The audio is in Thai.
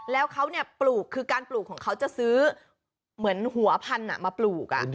แล้วเขาปลูกคือการปลูกของเขาจะซื้อเหมือนหัวพันธุ์มาปลูก